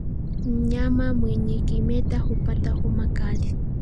Mnyama mwenye kimeta hupata homa kali